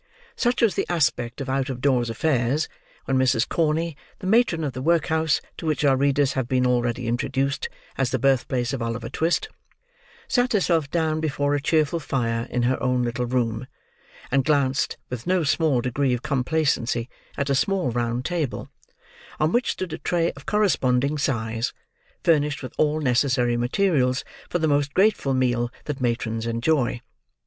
Such was the aspect of out of doors affairs, when Mrs. Corney, the matron of the workhouse to which our readers have been already introduced as the birthplace of Oliver Twist, sat herself down before a cheerful fire in her own little room, and glanced, with no small degree of complacency, at a small round table: on which stood a tray of corresponding size, furnished with all necessary materials for the most grateful meal that matrons enjoy.